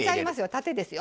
縦ですよ。